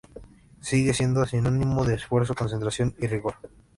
Sigue siendo sinónimo de esfuerzo, concentración y rigor.